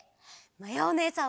まやおねえさん！